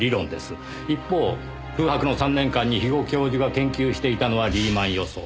一方空白の３年間に肥後教授が研究していたのはリーマン予想。